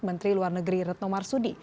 menteri luar negeri retno marsudi